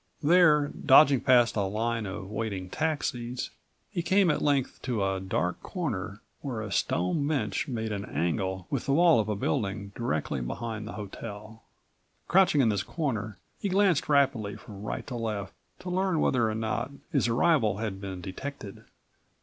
There, dodging past a line of waiting taxis, he came at length to a dark corner where a stone bench made an angle with the wall of a building directly behind the hotel. Crouching in this corner, he glanced rapidly from right to left to learn whether or not his arrival had been detected.